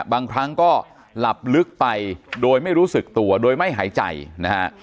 บางครั้งก็หลับลึกไปโดยไม่รู้สึกตัวโดยไม่หายใจนะฮะ